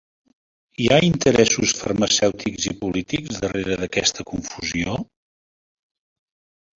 Hi ha interessos farmacèutics i polítics darrere aquesta confusió?